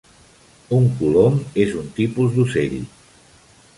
Un colom és un tipus d'ocell.